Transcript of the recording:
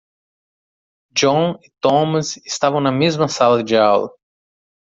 John e Thomas estavam na mesma sala de aula.